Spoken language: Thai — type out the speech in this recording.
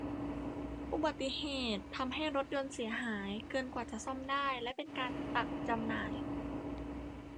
อุบัติเหตุทำให้รถยนต์เสียหายเกินกว่าจะซ่อมได้และเป็นการตัดจำหน่าย